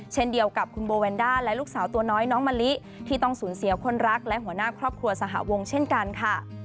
เช่นเดียวกับคุณโบแวนด้าและลูกสาวตัวน้อยน้องมะลิที่ต้องสูญเสียคนรักและหัวหน้าครอบครัวสหวงเช่นกันค่ะ